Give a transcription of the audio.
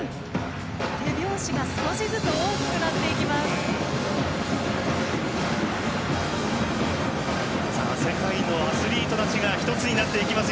手拍子が少しずつ大きくなっていきます。